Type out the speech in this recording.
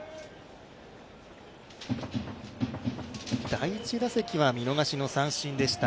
第１打席は見逃しの三振でした。